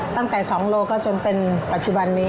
ตั้งแต่๒โลก็จนเป็นปัจจุบันนี้